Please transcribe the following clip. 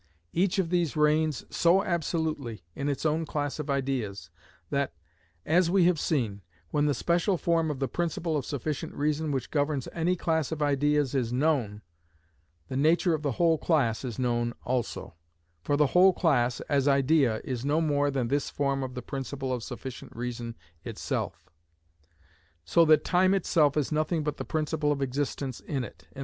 Each of these reigns so absolutely in its own class of ideas that, as we have seen, when the special form of the principle of sufficient reason which governs any class of ideas is known, the nature of the whole class is known also: for the whole class, as idea, is no more than this form of the principle of sufficient reason itself; so that time itself is nothing but the principle of existence in it, _i.e.